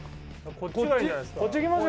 こっちがいいんじゃないですか？